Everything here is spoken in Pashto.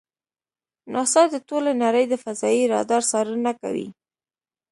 ناسا د ټولې نړۍ د فضایي رادار څارنه کوي.